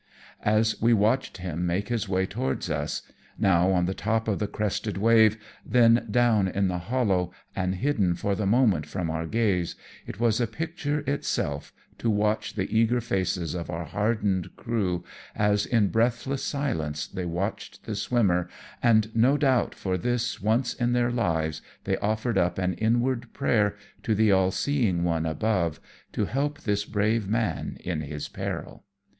As we watched him make his way towards us, now on the top of the crested wave, then down in the hollow, and hidden for the moment from our gaze, it was a picture itself to watch the eager faces of our hardened crew, as in breathless silence they watched the swimmer, and no doubt for this once in their lives they offered up an inward prayer to the All Seeing One above, to help this brave man in his peril.